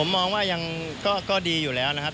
ผมมองว่ายังก็ดีอยู่แล้วนะครับ